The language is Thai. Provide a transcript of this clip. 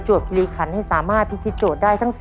๑๙๘๒วาทีค่ะ